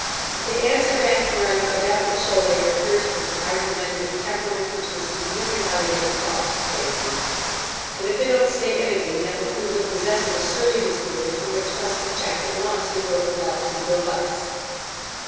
"If they answer back, Veronica, that will show they are cursed with an argumentative temperament which must be rooted out at any cost," I agreed; "and if they don't say anything, that will prove them possessed of a surly disposition which must be checked at once, before it develops into a vice."